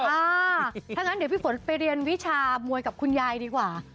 ถ้างั้นเดี๋ยวพี่ฝนไปเรียนวิชามวยกับคุณยายดีกว่า